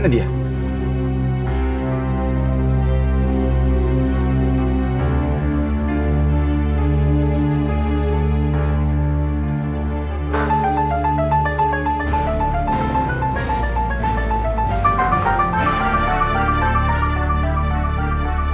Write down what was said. tidak ada yang bisa dipulih